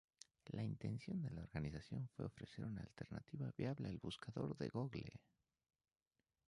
La intención de la organización fue ofrecer una alternativa viable al buscador de Google.